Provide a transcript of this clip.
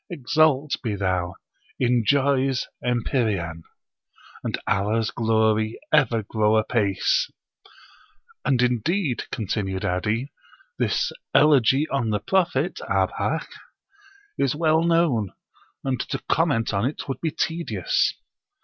Exalt be thou in Joy's empyrean! And Allah's glory ever grow apace!" "And indeed," continued 'Adi, "this Elegy on the Prophet (Abhak!) is well known, and to comment on it would be tedious."